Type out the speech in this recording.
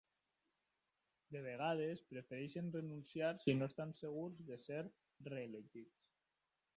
De vegades prefereixen renunciar si no estan segurs de ser reelegits.